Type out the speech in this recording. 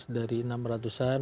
dari enam ratusan